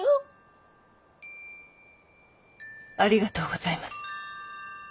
ありがとうございます。